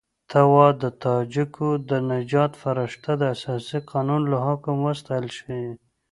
ته وا د تاجکو د نجات فرښته د اساسي قانون له حکم وستایل شي.